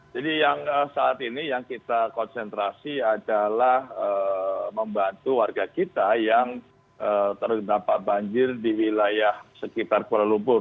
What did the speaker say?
jadi yang saat ini yang kita konsentrasi adalah membantu warga kita yang terdampak banjir di wilayah sekitar kuala lumpur